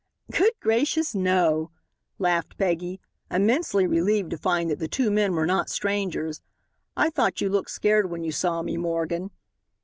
"Good gracious, no," laughed Peggy, immensely relieved to find that the two men were not strangers. "I thought you looked scared when you saw me, Morgan."